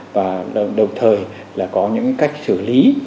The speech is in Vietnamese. và đồng thời là có những cách xử lý